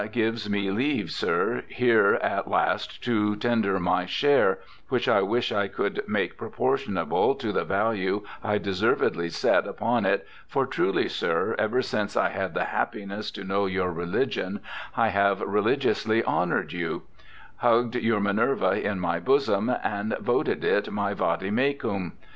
gives mee leave, sir, here at last to tender my share, which I wish I could make proportionable to the value I deservedly sett upon it, for truly, sir, ever since I had the happiness to know your religion I have religiously honoured you ; hug'd your Minerva in my bosome, and voted it my vade meciwi. ...